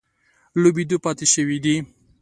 لوبېدو پاتې شوي دي.